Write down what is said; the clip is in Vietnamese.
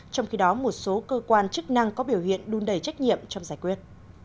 trong khi đó một số cơ quan chức năng có biểu hiện đun đầy trách nhiệm trong giải quyết